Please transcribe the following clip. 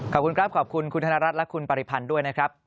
ขอบคุณครับขอบคุณคุณธนรัฐและคุณปริพันธ์ด้วยนะครับ